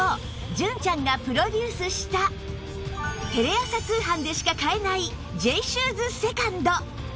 純ちゃんがプロデュースしたテレ朝通販でしか買えない Ｊ シューズ ２ｎｄ